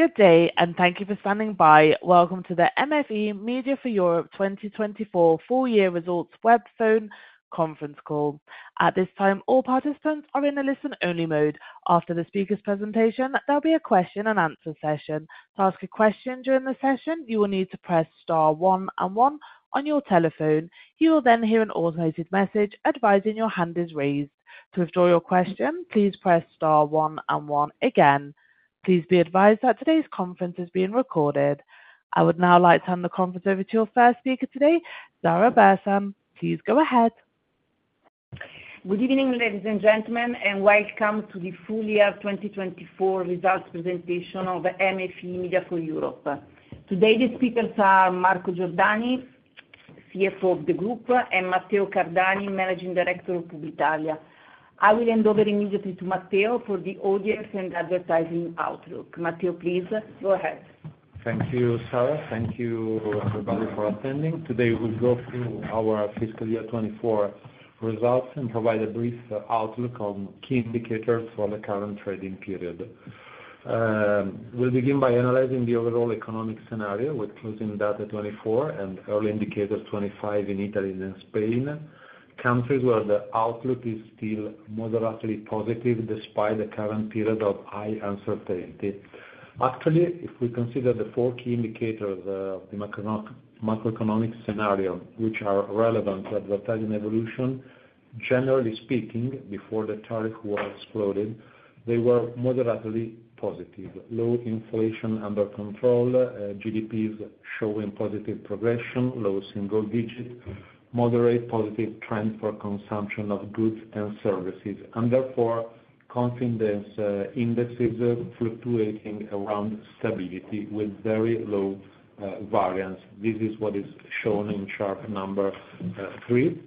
Good day, and thank you for standing by. Welcome to the MFE-MediaForEurope 2024 Full-Year Results Web Zone Conference Call. At this time, all participants are in a listen-only mode. After the speaker's presentation, there'll be a question-and-answer session. To ask a question during the session, you will need to press star one and one on your telephone. You will then hear an automated message advising your hand is raised. To withdraw your question, please press star one and one again. Please be advised that today's conference is being recorded. I would now like to hand the conference over to your first speaker today, Zahra Bersan. Please go ahead. Good evening, ladies and gentlemen, and welcome to the Full-Year 2024 Results Presentation of MFE-MediaForEurope. Today, the speakers are Marco Giordani, CFO of the group, and Matteo Cardani, Managing Director of Publitalia. I will hand over immediately to Matteo for the audience and advertising outlook. Matteo, please go ahead. Thank you, Zahra. Thank you, everybody, for attending. Today, we'll go through our Fiscal Year 2024 results and provide a brief outlook on key indicators for the current trading period. We'll begin by analyzing the overall economic scenario with closing data 2024 and early indicators 2025 in Italy and Spain, countries where the outlook is still moderately positive despite the current period of high uncertainty. Actually, if we consider the four key indicators of the macroeconomic scenario, which are relevant to advertising evolution, generally speaking, before the tariff war exploded, they were moderately positive. Low inflation under control, GDPs showing positive progression, low single-digit, moderate positive trend for consumption of goods and services, and therefore confidence indexes fluctuating around stability with very low variance. This is what is shown in chart number three.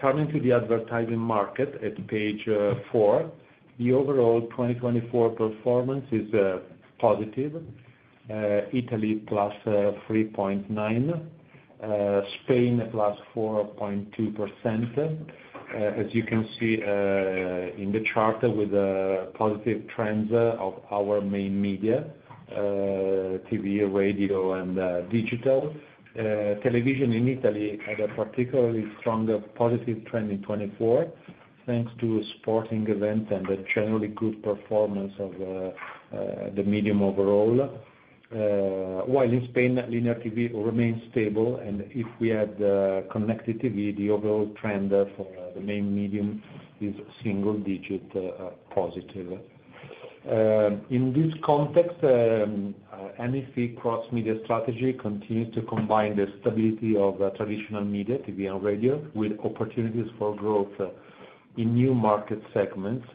Turning to the advertising market at page four, the overall 2024 performance is positive. Italy plus 3.9%, Spain plus 4.2%. As you can see in the chart with the positive trends of our main media, TV, radio, and digital. Television in Italy had a particularly strong positive trend in 2024 thanks to sporting events and the generally good performance of the medium overall. While in Spain, linear TV remains stable, and if we add connected TV, the overall trend for the main medium is single-digit positive. In this context, MFE cross-media strategy continues to combine the stability of traditional media, TV and radio, with opportunities for growth in new market segments.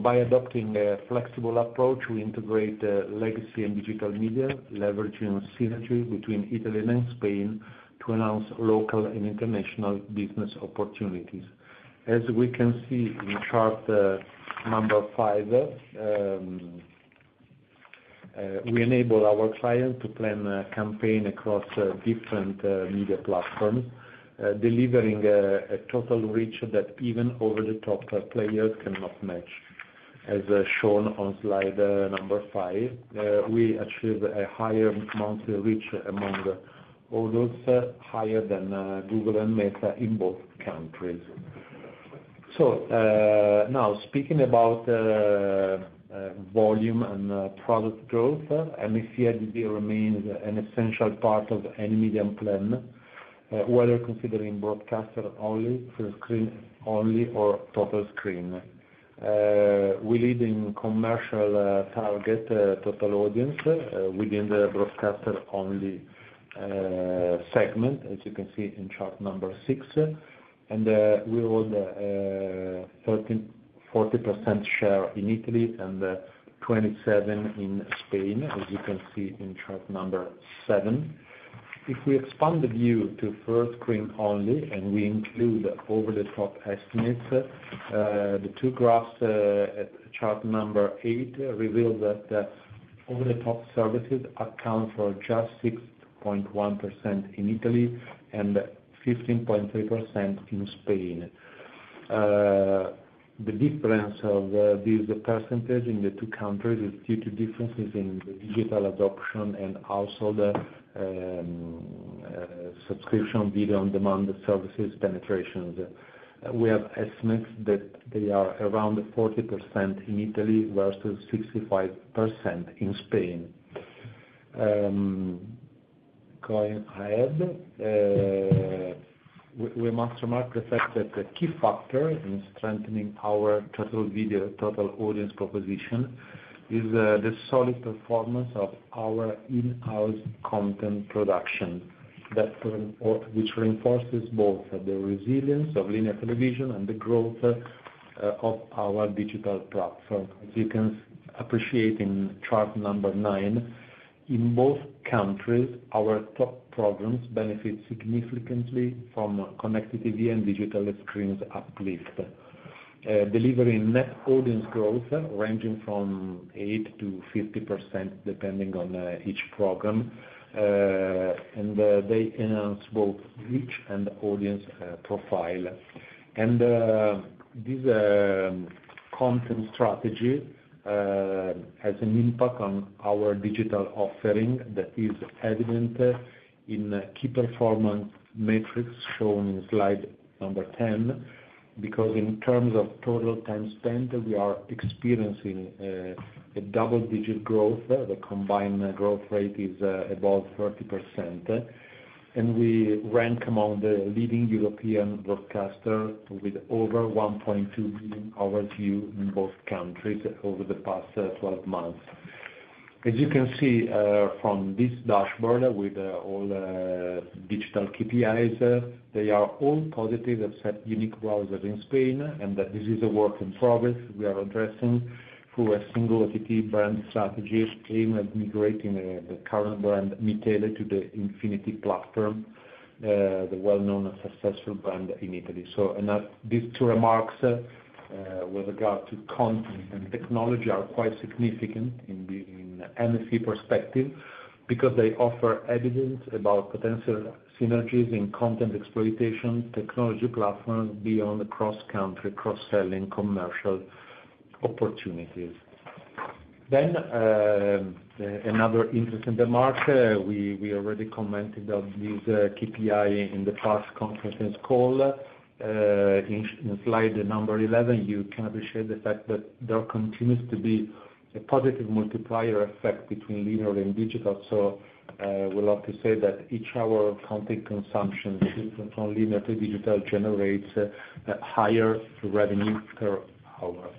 By adopting a flexible approach, we integrate legacy and digital media, leveraging synergy between Italy and Spain to announce local and international business opportunities. As we can see in chart number five, we enable our clients to plan a campaign across different media platforms, delivering a total reach that even over-the-top players cannot match, as shown on slide number five. We achieve a higher monthly reach among adults, higher than Google and Meta in both countries. Now, speaking about volume and product growth, MFE-MediaForEurope remains an essential part of any medium plan, whether considering broadcaster only, full-screen only, or total screen. We lead in commercial target total audience within the broadcaster-only segment, as you can see in chart number six, and we hold a 40% share in Italy and 27% in Spain, as you can see in chart number seven. If we expand the view to full-screen only and we include over-the-top estimates, the two graphs at chart number eight reveal that over-the-top services account for just 6.1% in Italy and 15.3% in Spain. The difference of these percentages in the two countries is due to differences in digital adoption and also the subscription video on-demand services penetrations. We have estimates that they are around 40% in Italy versus 65% in Spain. Going ahead, we must remark the fact that a key factor in strengthening our total video total audience proposition is the solid performance of our in-house content production, which reinforces both the resilience of linear television and the growth of our digital platform. As you can appreciate in chart number nine, in both countries, our top programs benefit significantly from connected TV and digital screens uplift, delivering net audience growth ranging from 8% to 50% depending on each program, and they enhance both reach and audience profile. This content strategy has an impact on our digital offering that is evident in key performance metrics shown in slide number 10, because in terms of total time spent, we are experiencing a double-digit growth. The combined growth rate is above 30%, and we rank among the leading European broadcasters with over 1.2 million hours view in both countries over the past 12 months. As you can see from this dashboard with all digital KPIs, they are all positive except unique browsers in Spain, and this is a work in progress. We are addressing through a single OTT brand strategy aimed at migrating the current brand Mitele to the Infinity platform, the well-known successful brand in Italy. These two remarks with regard to content and technology are quite significant in MFE perspective because they offer evidence about potential synergies in content exploitation, technology platforms beyond cross-country, cross-selling commercial opportunities. Another interesting remark, we already commented on this KPI in the past conferences call. In slide number 11, you can appreciate the fact that there continues to be a positive multiplier effect between linear and digital. We love to say that each hour of content consumption from linear to digital generates higher revenue per hour.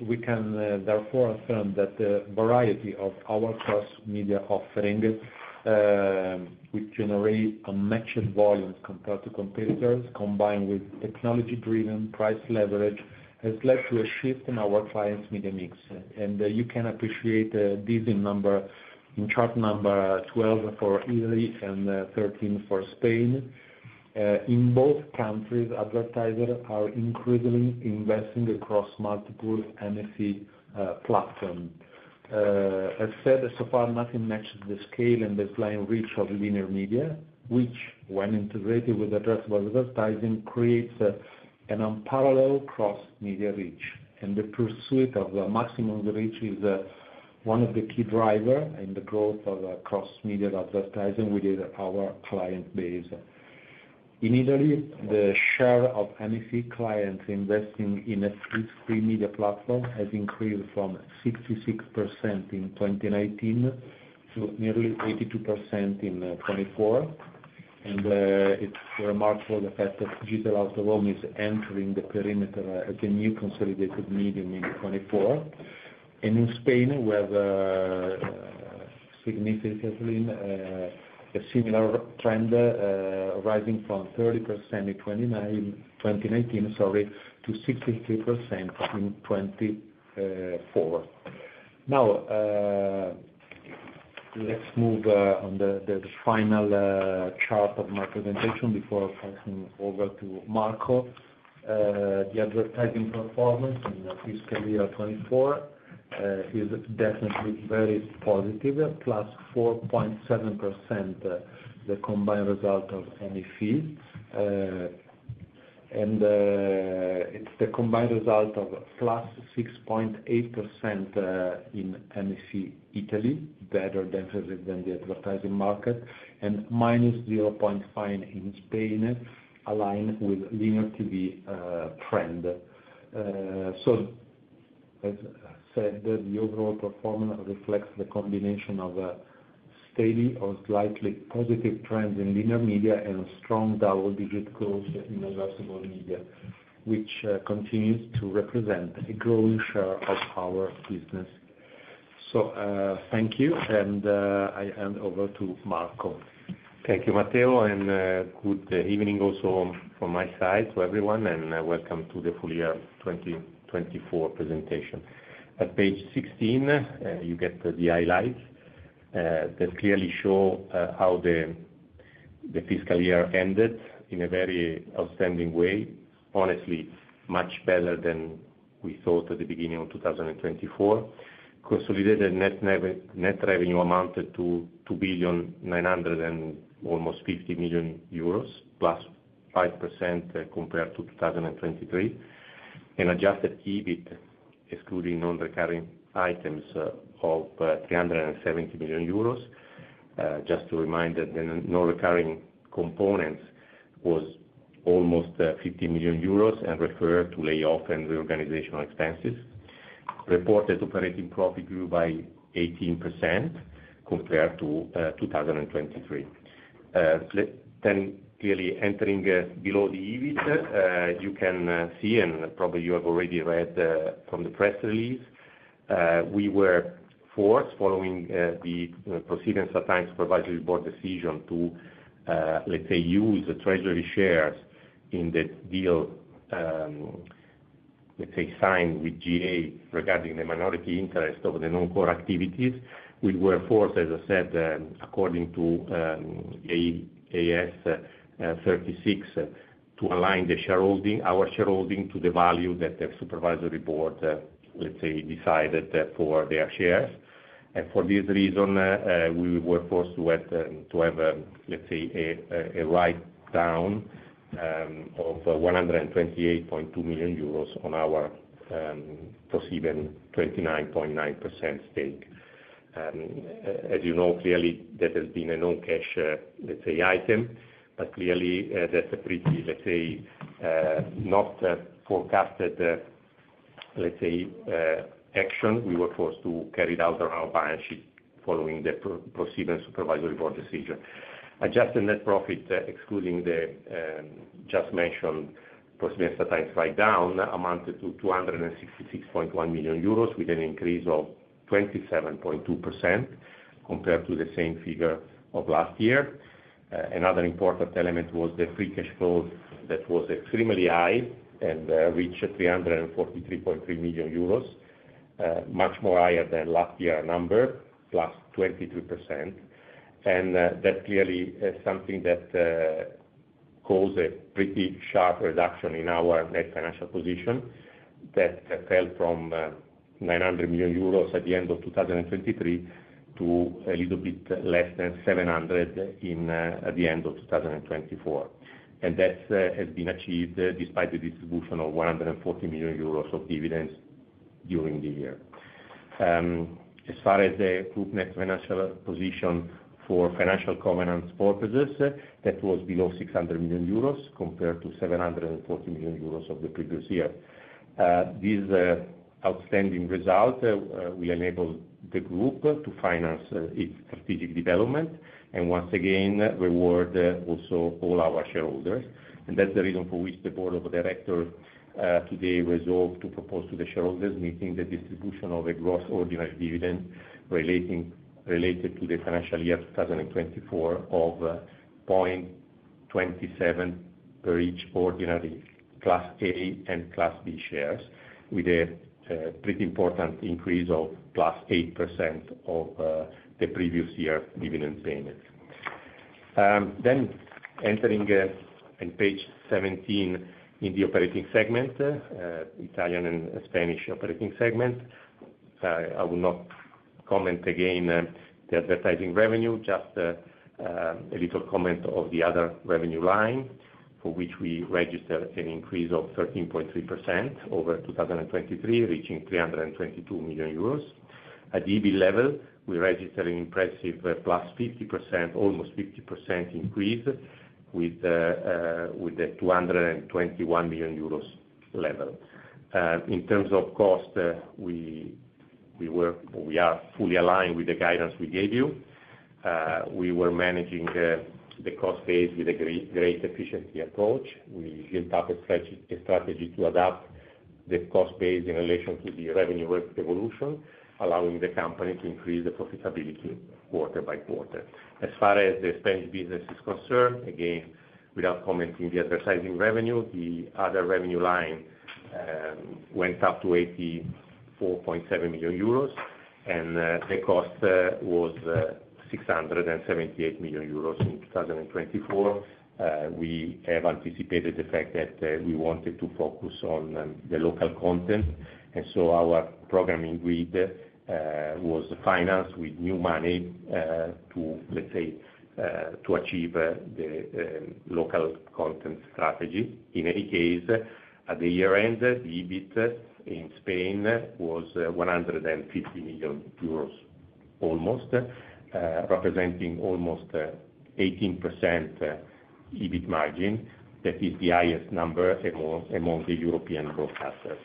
We can therefore affirm that the variety of our cross-media offering, which generates unmatched volumes compared to competitors, combined with technology-driven price leverage, has led to a shift in our clients' media mix. You can appreciate this in chart number 12 for Italy and 13 for Spain. In both countries, advertisers are increasingly investing across multiple MFE platforms. As said, so far, nothing matches the scale and baseline reach of linear media, which, when integrated with addressable advertising, creates an unparalleled cross-media reach. The pursuit of maximum reach is one of the key drivers in the growth of cross-media advertising within our client base. In Italy, the share of MFE clients investing in a free media platform has increased from 66% in 2019 to nearly 82% in 2024. It is remarkable the fact that Digital Out-of-Home is entering the perimeter as a new consolidated medium in 2024. In Spain, we have significantly a similar trend rising from 30% in 2019 to 63% in 2024. Now, let's move on to the final chart of my presentation before passing over to Marco. The advertising performance in Fiscal Year 2024 is definitely very positive, +4.7%, the combined result of MFE. It is the combined result of +6.8% in MFE Italy, better than the advertising market, and -0.5% in Spain, aligned with the linear TV trend. As said, the overall performance reflects the combination of a steady or slightly positive trend in linear media and a strong double-digit growth in addressable media, which continues to represent a growing share of our business. Thank you, and I hand over to Marco. Thank you, Matteo, and good evening also from my side to everyone, and welcome to the Full-Year 2024 presentation. At page 16, you get the highlights that clearly show how the fiscal year ended in a very outstanding way. Honestly, much better than we thought at the beginning of 2024. Consolidated net revenue amounted to 2,900,000, almost 50 million euros, plus 5% compared to 2023. Adjusted EBIT, excluding non-recurring items, of 370 million euros. Just to remind that the non-recurring component was almost 50 million euros and referred to layoff and reorganization expenses. Reported operating profit grew by 18% compared to 2023. Clearly, entering below the EBIT, you can see, and probably you have already read from the press release, we were forced, following the proceedings at times provided by the decision to, let's say, use the treasury shares in the deal, let's say, signed with GA regarding the minority interest of the non-core activities. We were forced, as I said, according to AS36, to align our shareholding to the value that the supervisory board, let's say, decided for their shares. For this reason, we were forced to have a, let's say, a write-down of 128.2 million euros on our ProSieben 29.9% stake. As you know, clearly, that has been a non-cash, let's say, item, but clearly, that's a pretty, let's say, not forecasted, let's say, action. We were forced to carry it out on our balance sheet following the ProSieben supervisory board decision. Adjusting net profit, excluding the just-mentioned ProSieben at times write-down, amounted to 266.1 million euros with an increase of 27.2% compared to the same figure of last year. Another important element was the free cash flow that was extremely high and reached 343.3 million euros, much higher than last year's number, plus 23%. That is clearly something that caused a pretty sharp reduction in our net financial position that fell from 900 million euros at the end of 2023 to a little bit less than 700 million at the end of 2024. That has been achieved despite the distribution of 140 million euros of dividends during the year. As far as the group net financial position for financial covenants purposes, that was below 600 million euros compared to 740 million euros of the previous year. This outstanding result will enable the group to finance its strategic development and, once again, reward also all our shareholders. That is the reason for which the board of directors today resolved to propose to the shareholders meeting the distribution of a gross ordinary dividend related to the financial year 2024 of 0.27 per each ordinary Class A and Class B shares, with a pretty important increase of +8% of the previous year's dividend payments. Entering at page 17 in the operating segment, Italian and Spanish operating segment, I will not comment again on the advertising revenue, just a little comment on the other revenue line for which we registered an increase of 13.3% over 2023, reaching 322 million euros. At EBIT level, we registered an impressive +50%, almost 50% increase with the 221 million euros level. In terms of cost, we are fully aligned with the guidance we gave you. We were managing the cost base with a great efficiency approach. We built up a strategy to adapt the cost base in relation to the revenue evolution, allowing the company to increase the profitability quarter by quarter. As far as the Spanish business is concerned, again, without commenting on the advertising revenue, the other revenue line went up to 84.7 million euros and the cost was 678 million euros in 2024. We have anticipated the fact that we wanted to focus on the local content, and so our programming grid was financed with new money to, let's say, achieve the local content strategy. In any case, at the year-end, the EBIT in Spain was 150 million euros, almost, representing almost 18% EBIT margin. That is the highest number among the European broadcasters.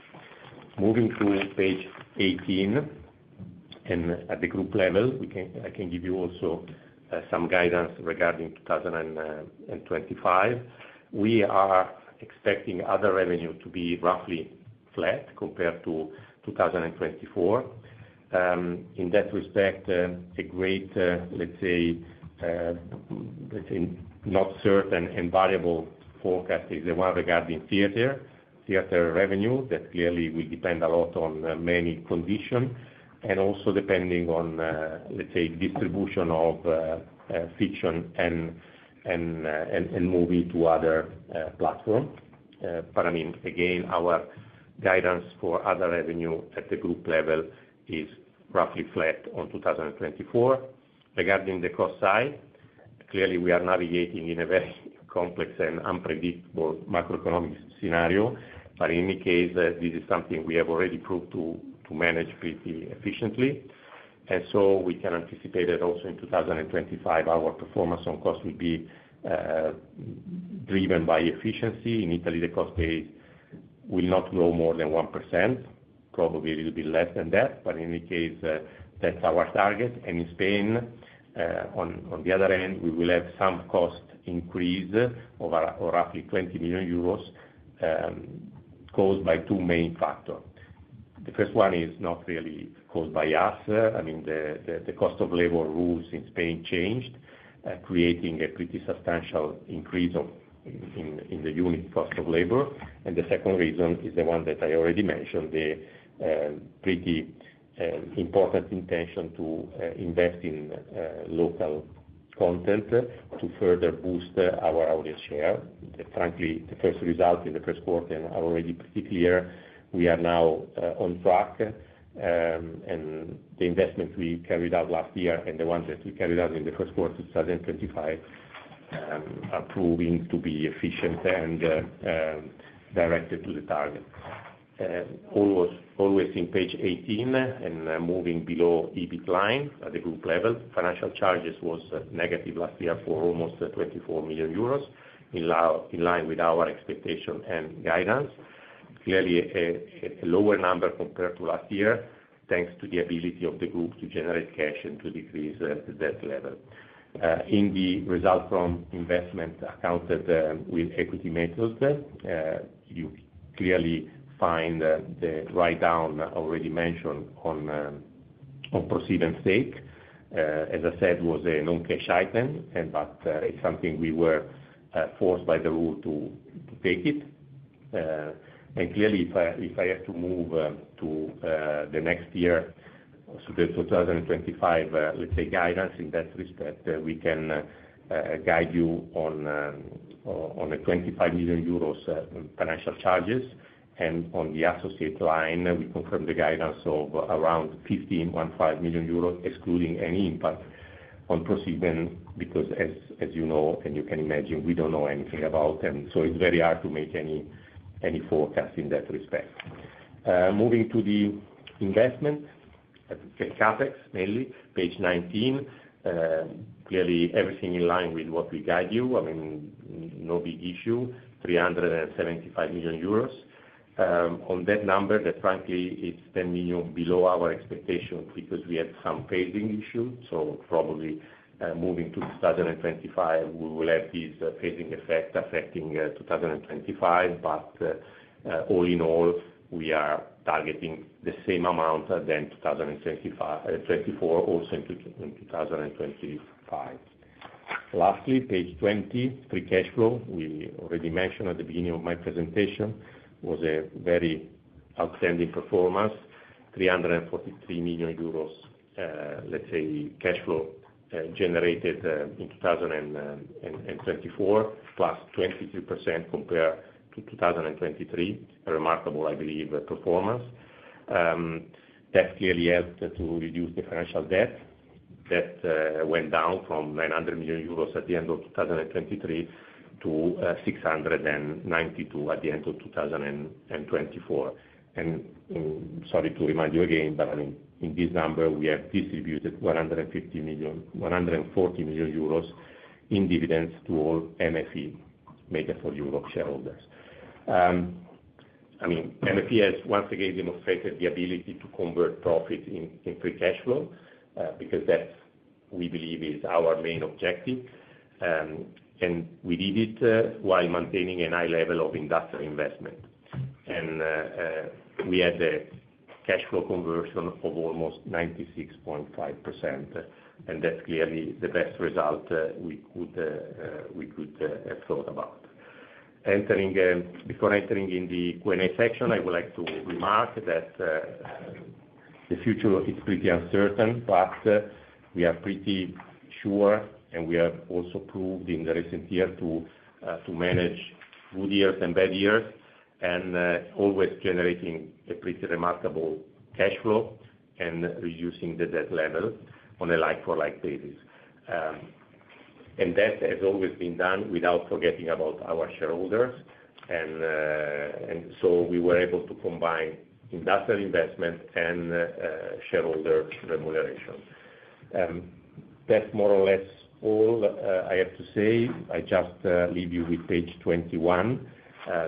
Moving to page 18, at the group level, I can give you also some guidance regarding 2025. We are expecting other revenue to be roughly flat compared to 2024. In that respect, a great, let's say, not certain and variable forecast is the one regarding theater, theater revenue that clearly will depend a lot on many conditions, and also depending on, let's say, distribution of fiction and movie to other platforms. I mean, again, our guidance for other revenue at the group level is roughly flat on 2024. Regarding the cost side, clearly, we are navigating in a very complex and unpredictable macroeconomic scenario, but in any case, this is something we have already proved to manage pretty efficiently. We can anticipate that also in 2025, our performance on cost will be driven by efficiency. In Italy, the cost base will not grow more than 1%, probably a little bit less than that, but in any case, that's our target. In Spain, on the other end, we will have some cost increase of roughly 20 million euros caused by two main factors. The first one is not really caused by us. I mean, the cost of labor rules in Spain changed, creating a pretty substantial increase in the unit cost of labor. The second reason is the one that I already mentioned, the pretty important intention to invest in local content to further boost our audience share. Frankly, the first result in the first quarter is already pretty clear. We are now on track, and the investment we carried out last year and the one that we carried out in the first quarter of 2025 are proving to be efficient and directed to the target. Always in page 18 and moving below EBIT line at the group level, financial charges was negative last year for almost 24 million euros in line with our expectation and guidance. Clearly, a lower number compared to last year, thanks to the ability of the group to generate cash and to decrease the debt level. In the result from investment accounted with equity method, you clearly find the write-down already mentioned on ProSiebenSat.1 stake. As I said, it was a non-cash item, but it's something we were forced by the rule to take it. If I have to move to the next year, so the 2025, let's say, guidance in that respect, we can guide you on the 25 million euros financial charges. On the associate line, we confirmed the guidance of around 15 million euros excluding any impact on ProSieben because, as you know and you can imagine, we do not know anything about them. It is very hard to make any forecast in that respect. Moving to the investment, CapEx mainly, page 19, clearly everything in line with what we guide you. I mean, no big issue, 375 million euros. On that number, that frankly, it is 10 million below our expectation because we have some phasing issues. Probably moving to 2025, we will have this phasing effect affecting 2025, but all in all, we are targeting the same amount than 2024, also in 2025. Lastly, page 20, free cash flow, we already mentioned at the beginning of my presentation, was a very outstanding performance, 343 million euros, let's say, cash flow generated in 2024, plus 23% compared to 2023, a remarkable, I believe, performance. That clearly helped to reduce the financial debt. That went down from 900 million euros at the end of 2023 to 692 million at the end of 2024. Sorry to remind you again, but I mean, in this number, we have distributed 140 million euros in dividends to all MFE-MediaForEurope shareholders. I mean, MFE-MediaForEurope has once again demonstrated the ability to convert profit in free cash flow because that, we believe, is our main objective. We did it while maintaining a high level of industrial investment. We had a cash flow conversion of almost 96.5%, and that's clearly the best result we could have thought about. Before entering in the Q&A section, I would like to remark that the future is pretty uncertain, but we are pretty sure, and we have also proved in the recent year to manage good years and bad years and always generating a pretty remarkable cash flow and reducing the debt level on a like-for-like basis. That has always been done without forgetting about our shareholders. We were able to combine industrial investment and shareholder remuneration. That's more or less all I have to say. I just leave you with page 21.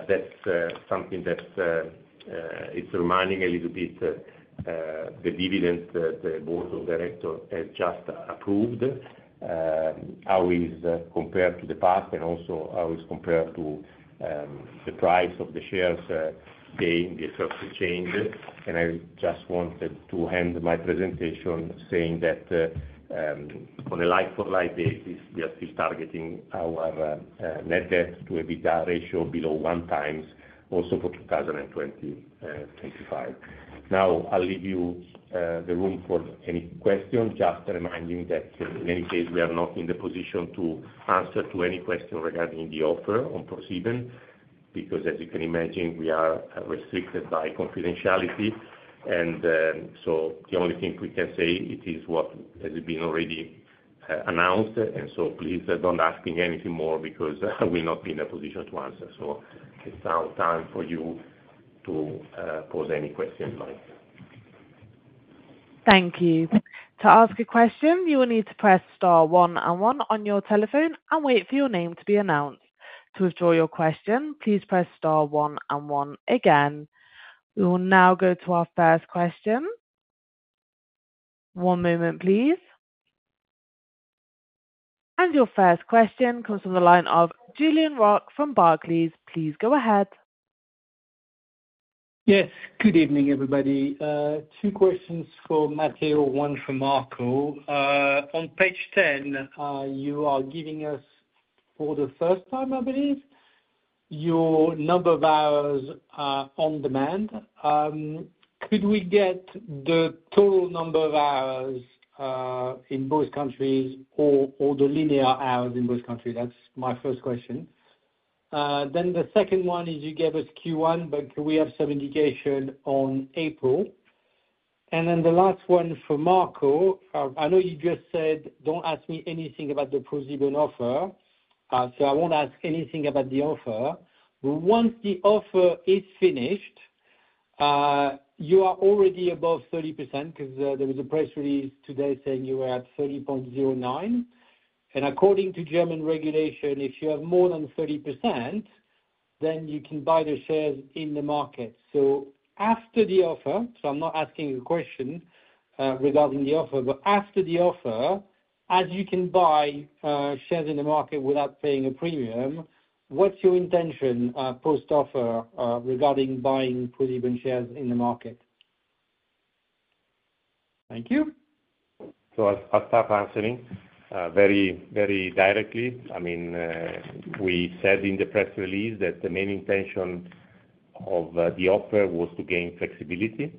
That's something that is remaining a little bit, the dividend that the board of directors has just approved, how it is compared to the past and also how it's compared to the price of the shares in the assets exchanged. I just wanted to end my presentation saying that on a like-for-like basis, we are still targeting our net debt to EBIT ratio below one times also for 2025. Now, I will leave you the room for any questions, just reminding you that in any case, we are not in the position to answer any questions regarding the offer on ProSieben because, as you can imagine, we are restricted by confidentiality. The only thing we can say is what has been already announced. Please do not ask me anything more because I will not be in a position to answer. It is now time for you to pose any questions. Thank you. To ask a question, you will need to press star one and one on your telephone and wait for your name to be announced. To withdraw your question, please press star one and one again. We will now go to our first question. One moment, please. Your first question comes from the line of Julien Roch from Barclays. Please go ahead. Yes. Good evening, everybody. Two questions for Matteo, one for Marco. On page 10, you are giving us for the first time, I believe, your number of hours on demand. Could we get the total number of hours in both countries or the linear hours in both countries? That’s my first question. Then the second one is you gave us Q1, but we have some indication on April. And then the last one for Marco, I know you just said, don’t ask me anything about the ProSieben offer. So I won’t ask anything about the offer. Once the offer is finished, you are already above 30% because there was a press release today saying you were at 30.09%. According to German regulation, if you have more than 30%, then you can buy the shares in the market. After the offer, I am not asking a question regarding the offer, but after the offer, as you can buy shares in the market without paying a premium, what is your intention post-offer regarding buying ProSiebenSat.1 shares in the market? Thank you. I will start answering very directly. I mean, we said in the press release that the main intention of the offer was to gain flexibility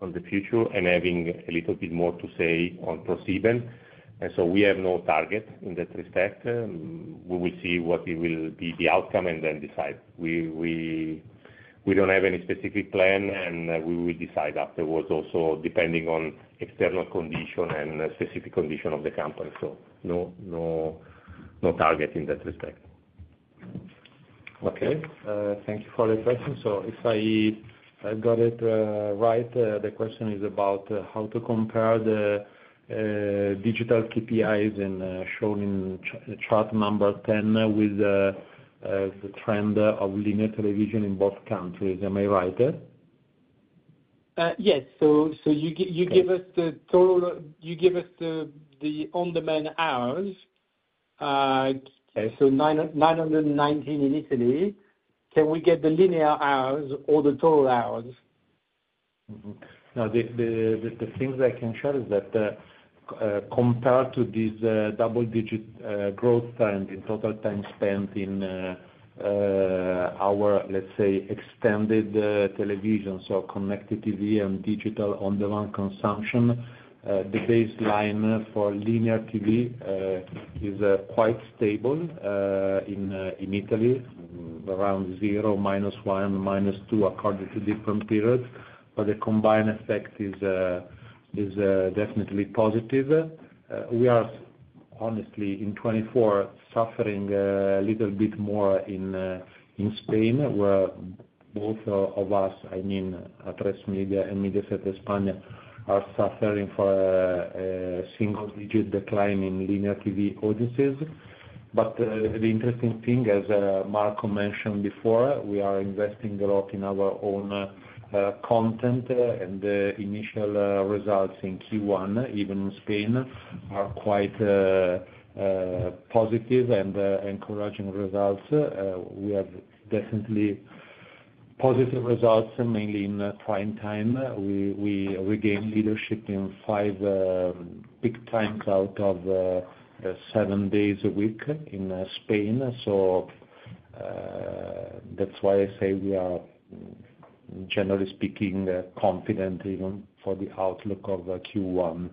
on the future and having a little bit more to say on ProSiebenSat.1. We have no target in that respect. We will see what will be the outcome and then decide. We do not have any specific plan, and we will decide afterwards also depending on external conditions and specific conditions of the company. No target in that respect. Okay. Thank you for the question. If I got it right, the question is about how to compare the digital KPIs shown in chart number 10 with the trend of linear television in both countries. Am I right? Yes. You give us the total, you give us the on-demand hours, so 919 in Italy. Can we get the linear hours or the total hours? The things I can share is that compared to this double-digit growth trend in total time spent in our, let's say, extended television, so connected TV and digital on-demand consumption, the baseline for linear TV is quite stable in Italy, around zero, minus one, minus two according to different periods. The combined effect is definitely positive. We are, honestly, in 2024, suffering a little bit more in Spain, where both of us, I mean, Atresmedia and Mediaset España, are suffering for a single-digit decline in linear TV audiences. The interesting thing, as Marco mentioned before, we are investing a lot in our own content, and the initial results in Q1, even in Spain, are quite positive and encouraging results. We have definitely positive results, mainly in prime time. We regained leadership in five peak times out of seven days a week in Spain. That is why I say we are, generally speaking, confident even for the outlook of Q1.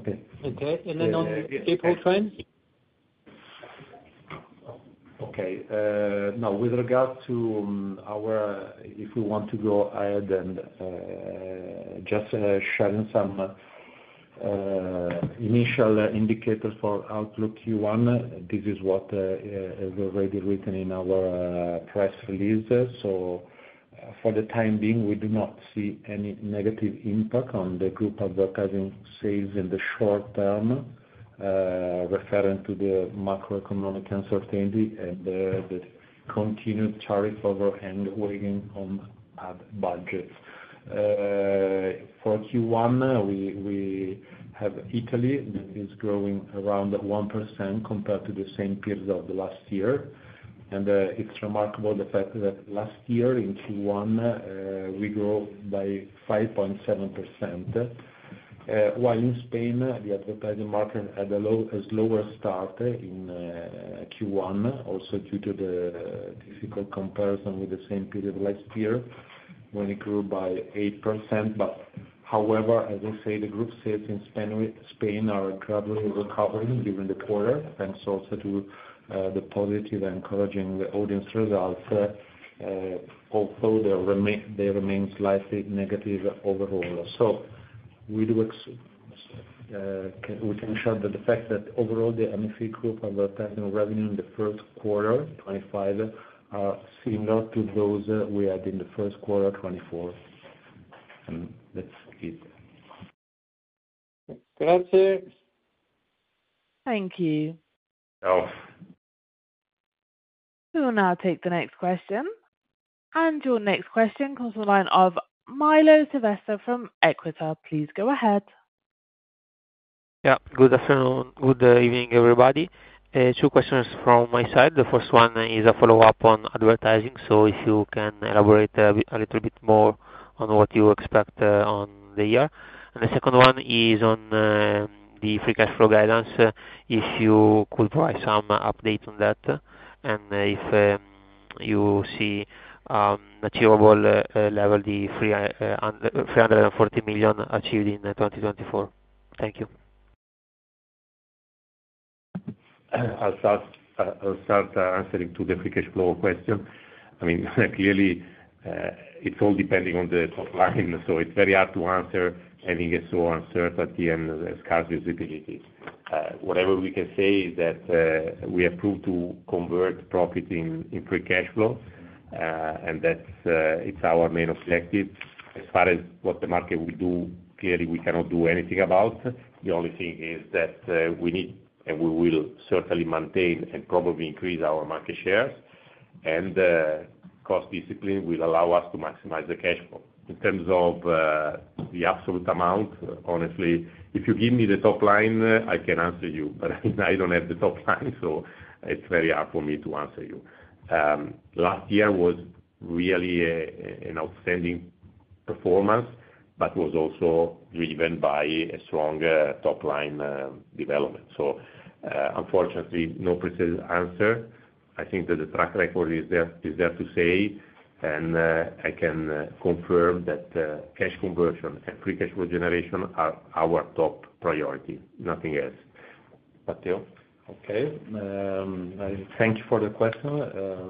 Okay. On April trend? Okay. Now, with regard to our, if we want to go ahead and just share some initial indicators for outlook Q1, this is what has already been written in our press release. For the time being, we do not see any negative impact on the group advertising sales in the short term, referring to the macroeconomic uncertainty and the continued tariff overhang weighing on budget. For Q1, we have Italy that is growing around 1% compared to the same period of the last year. It is remarkable the fact that last year in Q1, we grew by 5.7%, while in Spain, the advertising market had a lower start in Q1, also due to the difficult comparison with the same period last year when it grew by 8%. However, as I say, the group sales in Spain are gradually recovering during the quarter, thanks also to the positive encouraging audience results, although they remain slightly negative overall. We can share the fact that overall, the MFE group advertising revenue in the first quarter, 2025, are similar to those we had in the first quarter, 2024. That is it. Okay. Thank you. Thank you. We will now take the next question. Your next question comes from the line of Milo Silvestre from Equita. Please go ahead. Yeah. Good afternoon. Good evening, everybody. Two questions from my side. The first one is a follow-up on advertising. If you can elaborate a little bit more on what you expect on the year. The second one is on the free cash flow guidance, if you could provide some updates on that and if you see achievable level, the 340 million achieved in 2024. Thank you. I'll start answering to the free cash flow question. I mean, clearly, it's all depending on the top line. It is very hard to answer having a so uncertain at the end as far as visibility. Whatever we can say is that we have proved to convert profit in free cash flow, and it's our main objective. As far as what the market will do, clearly, we cannot do anything about. The only thing is that we need and we will certainly maintain and probably increase our market shares. Cost discipline will allow us to maximize the cash flow. In terms of the absolute amount, honestly, if you give me the top line, I can answer you. I do not have the top line, so it is very hard for me to answer you. Last year was really an outstanding performance, but was also driven by a strong top line development. Unfortunately, no precise answer. I think that the track record is there to say, and I can confirm that cash conversion and free cash flow generation are our top priority. Nothing else. Matteo? Okay. Thank you for the question.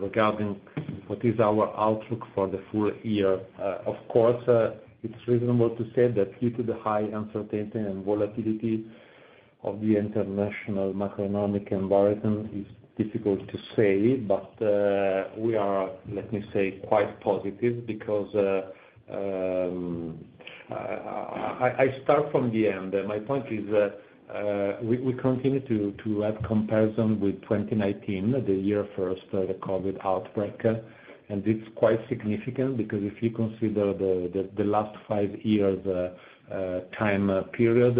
Regarding what is our outlook for the full year, of course, it's reasonable to say that due to the high uncertainty and volatility of the international macroeconomic environment, it's difficult to say, but we are, let me say, quite positive because I start from the end. My point is we continue to have comparison with 2019, the year first of the COVID outbreak. And it's quite significant because if you consider the last five years' time period,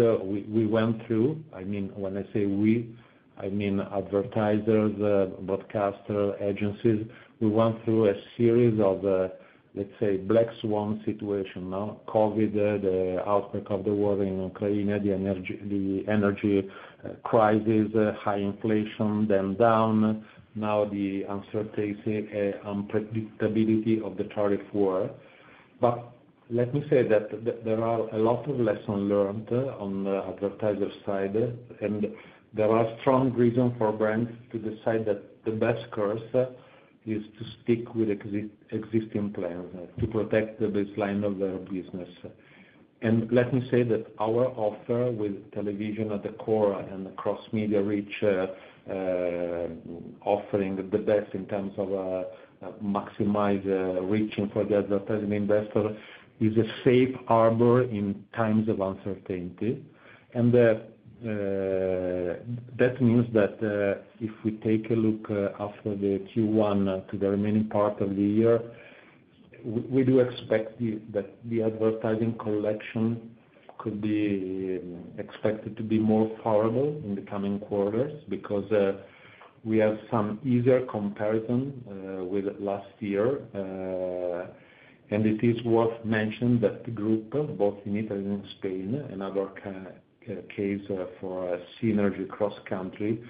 we went through, I mean, when I say we, I mean advertisers, broadcaster agencies, we went through a series of, let's say, black swan situation. COVID, the outbreak of the war in Ukraine, the energy crisis, high inflation, them down, now the uncertainty and unpredictability of the tariff war. Let me say that there are a lot of lessons learned on the advertiser side, and there are strong reasons for brands to decide that the best course is to stick with existing plans to protect the baseline of their business. Let me say that our offer with television at the core and across media reach offering the best in terms of maximizing reaching for the advertising investor is a safe harbor in times of uncertainty. That means that if we take a look after the Q1 to the remaining part of the year, we do expect that the advertising collection could be expected to be more favorable in the coming quarters because we have some easier comparison with last year. It is worth mentioning that the group, both in Italy and Spain, and our case for synergy cross-country,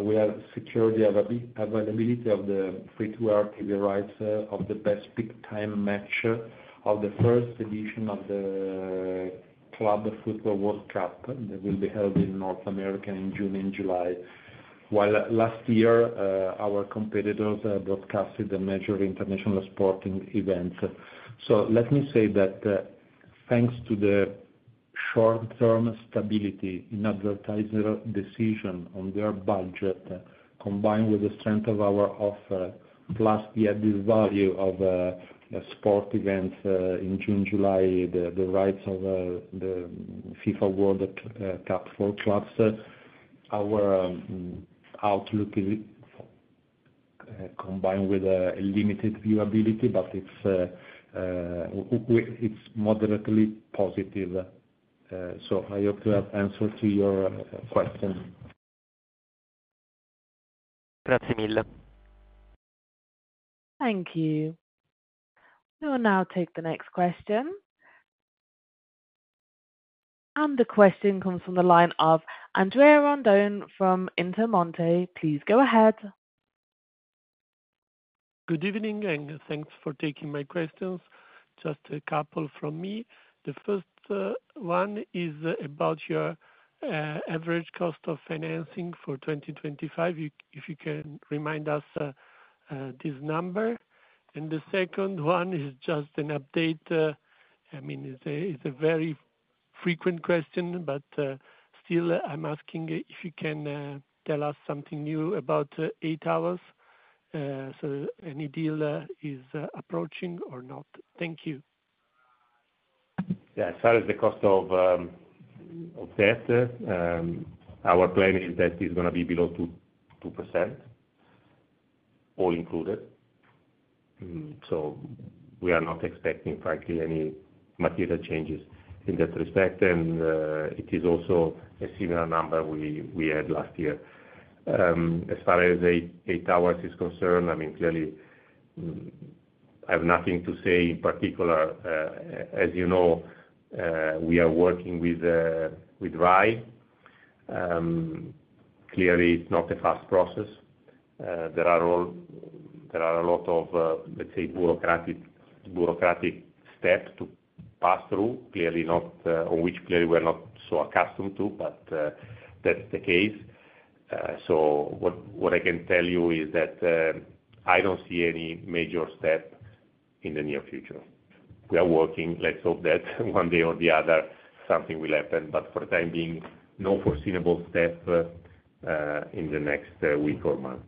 we have secured the availability of the free-to-air TV rights of the best peak time match of the first edition of the FIFA Club World Cup that will be held in North America in June and July, while last year our competitors broadcasted the major international sporting events. Let me say that thanks to the short-term stability in advertiser decision on their budget, combined with the strength of our offer, plus the added value of sport events in June, July, the rights of the FIFA Club World Cup, our outlook is combined with limited viewability, but it's moderately positive. I hope to have answered to your question. Grazie mille. Thank you. We will now take the next question. The question comes from the line of Andrea Randone from Intermonte. Please go ahead. Good evening and thanks for taking my questions. Just a couple from me. The first one is about your average cost of financing for 2025, if you can remind us this number. The second one is just an update. I mean, it's a very frequent question, but still, I'm asking if you can tell us something new about EI Towers. So any deal is approaching or not? Thank you. Yeah. As far as the cost of debt, our plan is that it's going to be below 2%, all included. We are not expecting, frankly, any material changes in that respect. It is also a similar number we had last year. As far as EI Towers is concerned, I mean, clearly, I have nothing to say in particular. As you know, we are working with RAI. Clearly, it's not a fast process. There are a lot of, let's say, bureaucratic steps to pass through, which clearly we are not so accustomed to, but that's the case. What I can tell you is that I don't see any major step in the near future. We are working. Let's hope that one day or the other, something will happen. For the time being, no foreseeable step in the next week or month.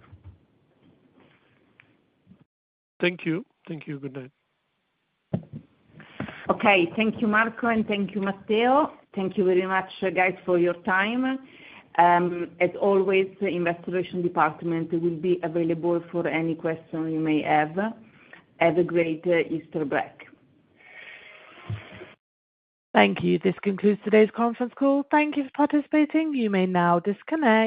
Thank you. Thank you. Good night. Okay. Thank you, Marco, and thank you, Matteo. Thank you very much, guys, for your time. As always, the investigation department will be available for any questions you may have. Have a great Easter break. Thank you. This concludes today's conference call. Thank you for participating. You may now disconnect.